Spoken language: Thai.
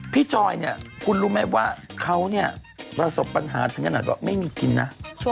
จอยเนี่ยคุณรู้ไหมว่าเขาเนี่ยประสบปัญหาถึงขนาดว่าไม่มีกินนะ